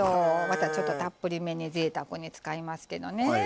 バターちょっとたっぷりめにぜいたくに使いますけどね。